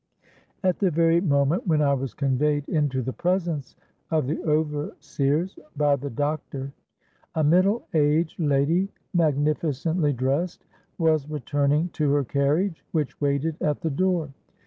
"At the very moment when I was conveyed into the presence of the overseers by the doctor, a middle aged lady, magnificently dressed, was returning to her carriage which waited at the door.